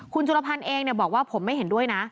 คุณจุลพันธ์เองบอกว่าผมไม่เห็นด้วยนะ